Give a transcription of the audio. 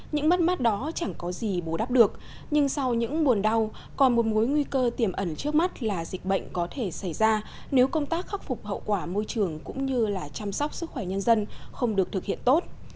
những mất mát đó chẳng có gì bù đắp được nhưng sau những buồn đau còn một mối nguy cơ tiềm ẩn trước mắt là dịch bệnh có thể xảy ra nếu công tác khắc phục hậu quả môi trường cũng như là chăm sóc sức khỏe nhân dân không được thực hiện tốt